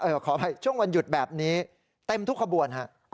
ขออภัยช่วงวันหยุดแบบนี้เต็มทุกขบวนฮะ